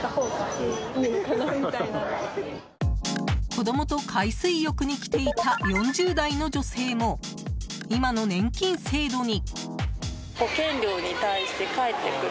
子供と海水浴に来ていた４０代の女性も今の年金制度に。